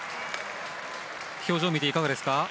表情を見ていかがですか？